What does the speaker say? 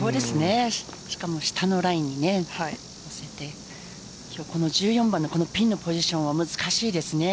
しかも下のラインにね、乗せて１４番のピンのポジションは難しいですね。